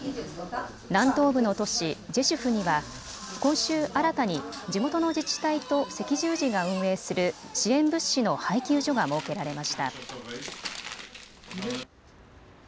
南東部の都市ジェシュフには今週、新たに地元の自治体と赤十字が運営する支援物資の配給所が設けられました。